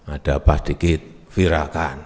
ada apa sedikit viralkan